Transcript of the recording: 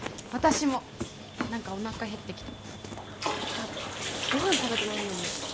あっごはん食べてないもんね。